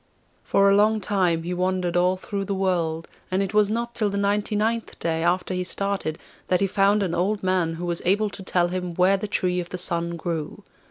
For a long time he wandered all through the world, and it was not till the ninety ninth day after he started that he found an old man who was able to tell him where the Tree of the Sun grew.